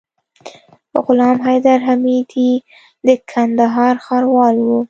غلام حيدر حميدي د کندهار ښاروال وو.